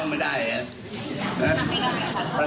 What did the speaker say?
คนลุกก็เห็นหรือเปล่า